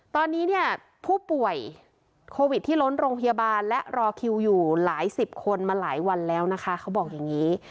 ตอนนี้เนี่ยผู้ป่วยโควิดที่ล้นโรงพยาบาลและรอคิวอยู่หลายสิบคนมาหลายวันแล้วนะคะเขาบอกอย่างนี้